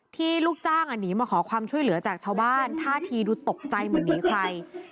ลูกจ้างหนีมาขอความช่วยเหลือจากชาวบ้านท่าทีดูตกใจเหมือนหนีใคร